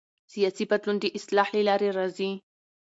سیاسي بدلون د اصلاح له لارې راځي